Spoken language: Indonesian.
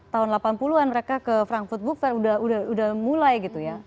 tahun delapan puluh an mereka ke frankfurt book fair udah mulai gitu ya